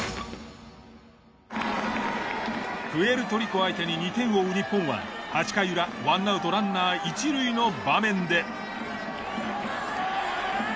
プエルトリコ相手に２点を追う日本は８回裏１アウトランナー一塁の場面で。